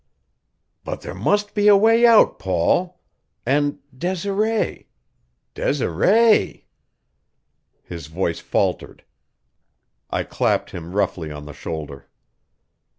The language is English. "But there must be a way out, Paul! And Desiree Desiree " His voice faltered. I clapped him roughly on the shoulder.